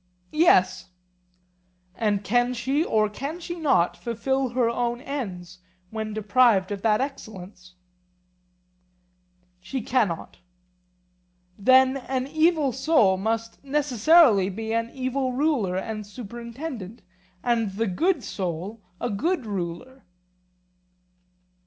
Yes. And can she or can she not fulfil her own ends when deprived of that excellence? She cannot. Then an evil soul must necessarily be an evil ruler and superintendent, and the good soul a good ruler?